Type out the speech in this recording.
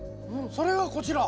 それがこちら？